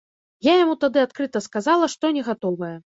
Я яму тады адкрыта сказала, што не гатовая.